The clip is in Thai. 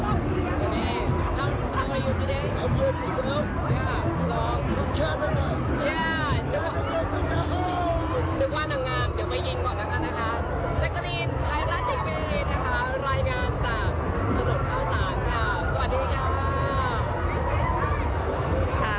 แคนนาดสุนาฮ่า